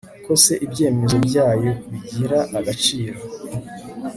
kose ibyemezo byayo bigira agaciro